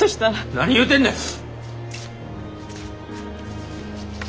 何言うてんねん！